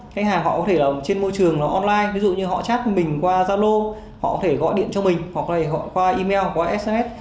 khách hàng họ có thể trên môi trường online ví dụ như họ chat mình qua zalo họ có thể gọi điện cho mình họ có thể qua email qua sns